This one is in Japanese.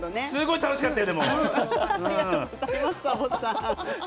すごい楽しかったよ。